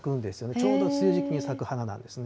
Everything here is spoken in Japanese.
ちょうど梅雨時期に咲く花なんですね。